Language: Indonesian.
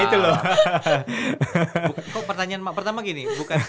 kok pertanyaan pertama gini